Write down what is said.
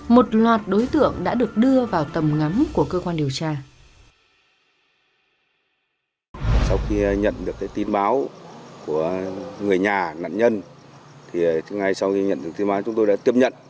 một loạt đối tượng đã được đưa vào tòa nhà của chị tâm